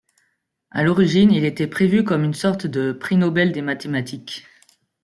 À l'origine, il était prévu comme une sorte de prix Nobel des mathématiques.